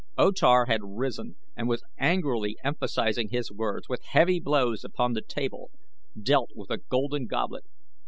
O Tar had risen and was angrily emphasizing his words with heavy blows upon the table, dealt with a golden goblet.